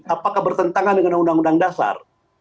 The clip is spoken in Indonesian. apakah bertentangan dengan undang undang dasar